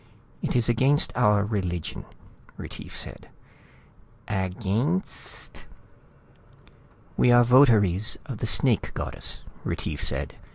"It is against our religion," Retief said. "Againsst?" "We are votaries of the Snake Goddess," Retief said.